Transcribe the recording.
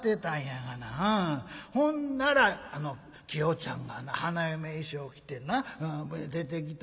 ほんならあのきよちゃんがな花嫁衣装着てな出てきた。